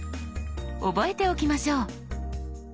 覚えておきましょう。